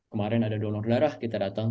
kemarin ada donor darah kita datang